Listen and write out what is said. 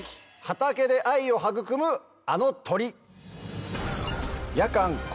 畑で愛を育むあの鳥！」。